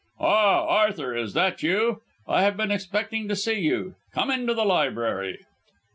"Ah, Arthur, is that you? I have been expecting to see you. Come into the library."